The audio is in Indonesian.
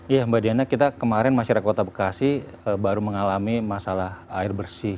ya mbak diana kita kemarin masyarakat kota bekasi baru mengalami masalah air bersih